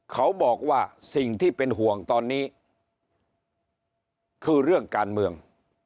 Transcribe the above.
เขาบอกว่าสิ่งที่เป็นห่วงตอนนี้คือเรื่องการเมือง